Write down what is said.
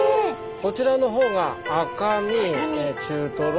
こちらの方が赤身中トロ